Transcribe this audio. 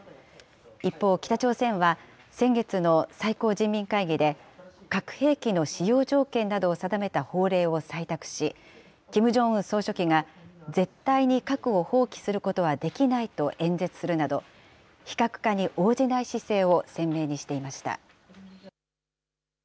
一方、北朝鮮は、先月の最高人民会議で、核兵器の使用条件などを定めた法令を採択し、キム・ジョンウン総書記が、絶対に核を放棄することはできないと演説するなど、非核化に応じない姿勢を鮮明にしていました。